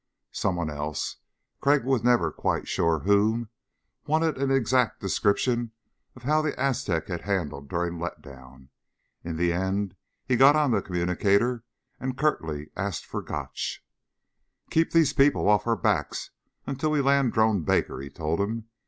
Someone else Crag was never quite sure who wanted an exact description of how the Aztec had handled during letdown. In the end he got on the communicator and curtly asked for Gotch. "Keep these people off our backs until we land Drone Baker," he told him.